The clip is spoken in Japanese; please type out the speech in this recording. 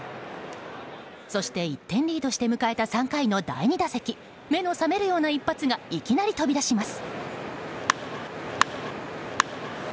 そして、１点リードして迎えた３回の第２打席目の覚めるような一発がいきなり飛び出します。